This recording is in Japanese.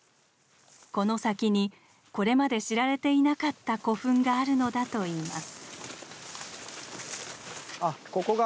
この先にこれまで知られていなかった古墳があるのだといいます。